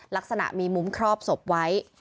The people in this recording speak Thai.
ลักษณะมีมุ้มครอบศพไว้